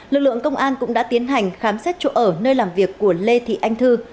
lực lượng công an cũng đã tiến hành khám xét chỗ ở nơi làm việc của lê thị anh thư